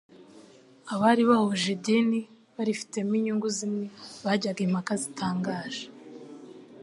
Abari bahuje idini barifitemo inyungu zimwe bajyaga impaka zitangaje